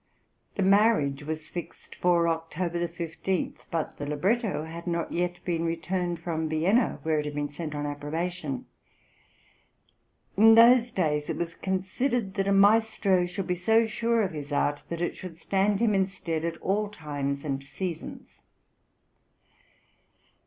The marriage was fixed for October 15, but the libretto had not yet been returned from Vienna, where it had been sent on approbation; in those days it was considered that a maestro should be so sure of his art that it should stand him in stead at all times and seasons.